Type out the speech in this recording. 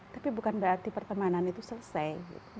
tapi bukan berarti pertemanan itu selesai